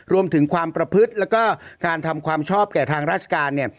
รวมถึงความประพฤติแล้วก็การทำความชอบแก่ทางราชการเนี่ย